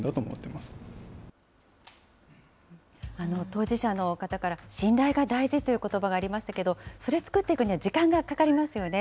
当時者の方から、信頼が大事ということばがありましたけど、それを作っていくには時間がかかりますよね。